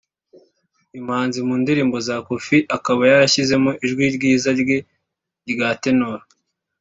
uyu muhanzi mu ndirimbo za Koffi akaba yarashyizemo ijwi ryiza rye rya Tenor